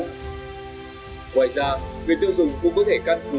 ngoài ra người tiêu dùng cũng có thể căn cứ